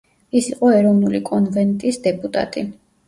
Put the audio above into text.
ის იყო ეროვნული კონვენტის დეპუტატი.